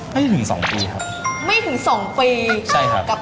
ไม่ถึง๒ปีครับ